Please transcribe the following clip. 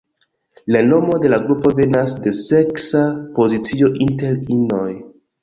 La nomo de la grupo venas de seksa pozicio inter inoj.